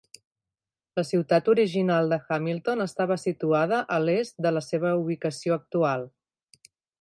La ciutat original de Hamilton estava situada a l'est de la seva ubicació actual.